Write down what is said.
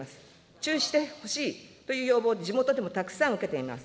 中止してほしいという要望、地元でもたくさん受けています。